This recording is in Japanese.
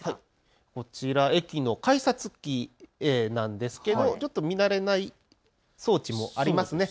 こちら駅の改札機なんですが見慣れない装置もありますね。